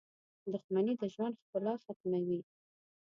• دښمني د ژوند ښکلا ختموي.